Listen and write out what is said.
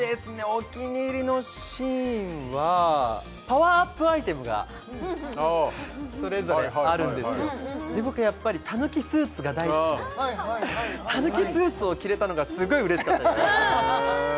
お気に入りのシーンはパワーアップアイテムがそれぞれあるんですよで僕やっぱりタヌキスーツが大好きでタヌキスーツを着れたのがすっごい嬉しかったです